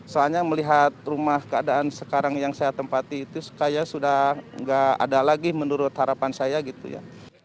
soalnya melihat rumah keadaan sekarang yang saya tempati itu kayak sudah nggak ada lagi menurut harapan saya gitu ya